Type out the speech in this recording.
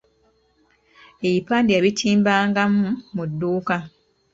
Ebipande yabitimbanga mu mu dduuka.